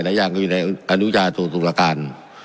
หลายอย่างก็อยู่ในการรู้จักตัวตรวจการ